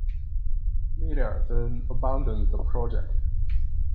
Miller then abandoned the project.